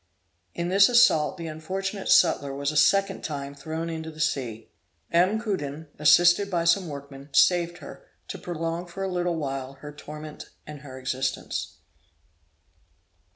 In this assault the unfortunate sutler was a second time thrown into the sea. M. Coudin, assisted by some workmen, saved her, to prolong for a little while her torment and her existence.